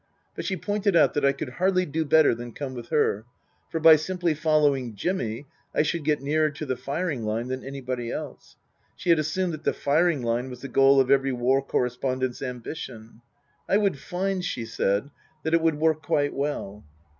But she pointed out that I could hardly do better than come with her, for by simply following Jimmy I should get nearer to the firing line than anybody else. (She had assumed that the firing line was the goal of every war correspondent's ambition.) I would find, she said, that it would work quite well.